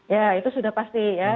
ya itu sudah pasti ya